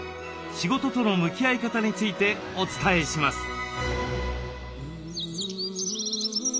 仕事との向き合い方についてお伝えします。